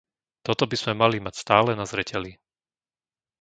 Toto by sme mali mať stále na zreteli.